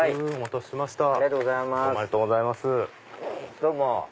どうも。